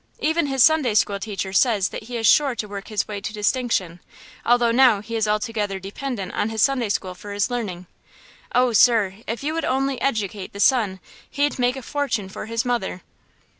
Even his Sunday school teacher says that he is sure to work his way to distinction, although now he is altogether dependent on his Sunday school for his learning. Oh, sir, if you would only educate the son he'd make a fortune for his mother."